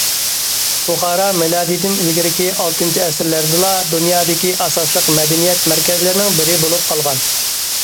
بۇخارا مىلادىدىن ئىلگىرىكى ئالتىنچى ئەسىرلەردىلا دۇنيادىكى ئاساسلىق مەدەنىيەت مەركەزلىرىنىڭ بىرى بولۇپ قالغان.